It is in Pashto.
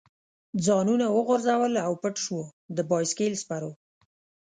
ځانونه وغورځول او پټ شو، د بایسکل سپرو.